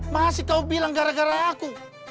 masih kau bilang gara gara aku